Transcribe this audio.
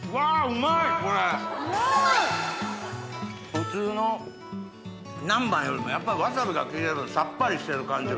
普通の南蛮よりもやっぱりわさびが利いてるからさっぱりしてる感じが。